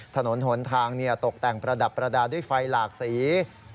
ถนนหนทางตกแต่งประดับประดาษด้วยไฟหลากสี